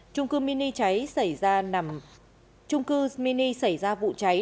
trung cư mini xảy ra vụ cháy